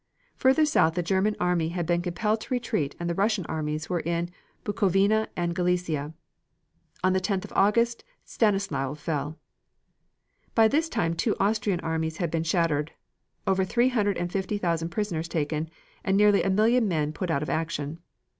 Further south the German army had been compelled to retreat and the Russian armies were in Bukovina and Galicia. On the 10th of August Stanislau fell. By this time two Austrian armies had been shattered, over three hundred and fifty thousand prisoners taken, and nearly a million men put out of action.